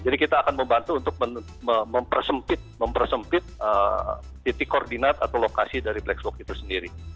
jadi kita akan membantu untuk mempersempit titik koordinat atau lokasi dari black spock itu sendiri